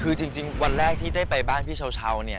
คือจริงวันแรกที่ได้ไปบ้านพี่เช้าเนี่ย